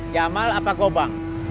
jamal apa kobang